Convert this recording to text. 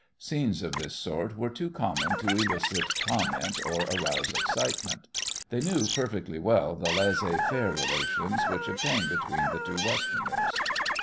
Scenes of this sort were too common to elicit comment or arouse excitement. They knew perfectly well the laissez faire relations which obtained between the two Westerners.